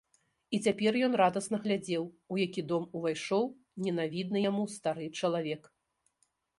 І цяпер ён радасна глядзеў, у які дом увайшоў ненавідны яму стары чалавек.